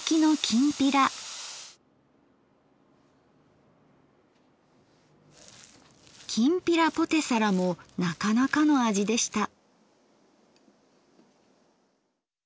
きんぴらポテサラもなかなかの味でした。